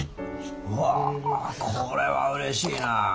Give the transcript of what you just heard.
うわこれはうれしいな。